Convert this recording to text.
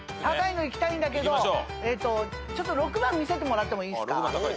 高いのいきたいんだけど６番見せてもらっていいですか？